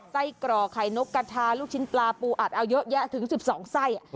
กรอกไข่นกกระทาลูกชิ้นปลาปูอัดเอาเยอะแยะถึง๑๒ไส้